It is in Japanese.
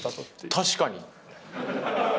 確かに。